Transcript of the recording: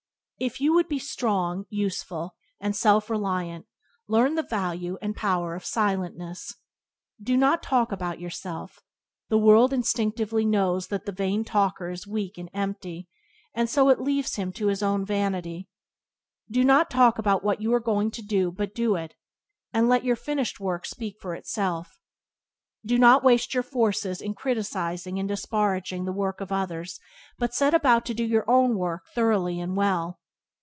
If you would be strong, useful, and self reliant learn the value and power of silentness. Do not talk about yourself. The world instinctively knows that the vain talker is weak and empty, and so it leaves him to his own vanity. Do not talk about what you are going to do but do it, and let your finished work speak for itself. Do not waste your forces in criticizing and disparaging the work of others but set about to do your own work thoroughly and well.